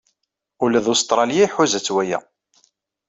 Ula d Ustṛalya iḥuza-tt waya.